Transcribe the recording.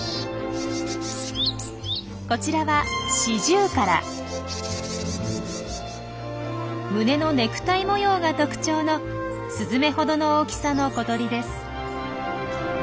こちらは胸のネクタイ模様が特徴のスズメほどの大きさの小鳥です。